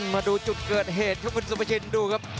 มาดูจุดเกิดเหตุที่ภูมิสุยิบชั้นดูนะครับ